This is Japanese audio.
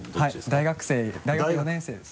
大学生大学４年生です。